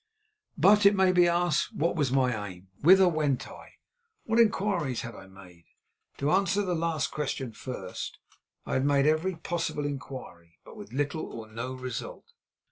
But, it may be asked, what was my aim, whither went I, what inquiries had I made? To answer the last question first, I had made every possible inquiry, but with little or no result.